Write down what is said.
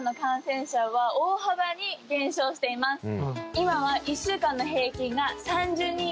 今は１週間の平均が３０人以下です。